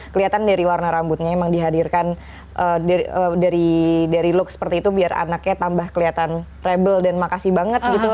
kelihatan dari warna rambutnya emang dihadirkan dari look seperti itu biar anaknya tambah kelihatan rebel dan makasih banget gitu